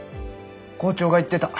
校長が言ってた。